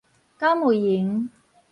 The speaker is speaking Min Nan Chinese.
敢有閒